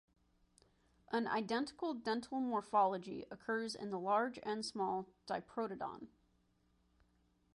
An identical dental morphology occurs in the large and small "Diprotodon".